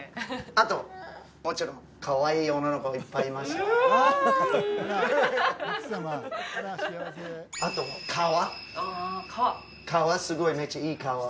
あともちろんかわいい女の子いっぱいいました川？